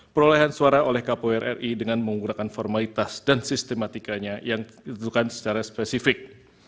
perolehan suara oleh kpu ri dengan menggunakan formalitas dan sistematikanya yang ditentukan secara spesifik